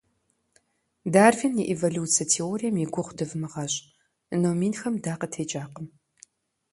Дарвин и эволюцэ теорием и гугъу дывмыгъэщӀ, номинхэм дакъытекӀакъым!